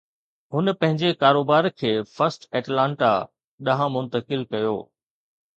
هن پنهنجي ڪاروبار کي فرسٽ ائٽلانتا ڏانهن منتقل ڪيو